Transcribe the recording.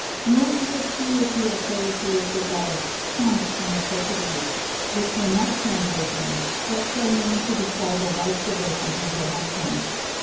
Nor is obscurity a characteristic of "Sonnets from the Portuguese," which were not translations, but so named to disguise a wife's devotion to her husband.